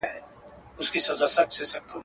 ګرځېدلی وو پر ونو او پر ژر ګو.